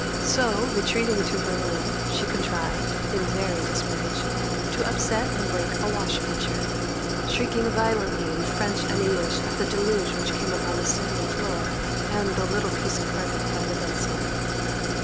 So, retreating to her room, she contrived, in very desperation, to upset and break a wash pitcher, shrieking violently in French and English at the deluge which came upon the sanded floor and the little piece of carpet by the bedside.